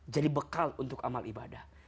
jadi bekal untuk amal ibadah